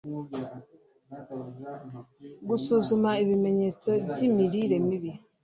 gusuzuma ibimenyetso by'imirire mibi